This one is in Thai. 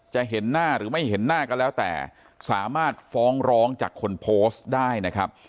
จะเห็นหน้าหรือไม่เห็นหน้าก็แล้วแต่สามารถฟ้องร้องจากคนโพสต์ได้นะครับ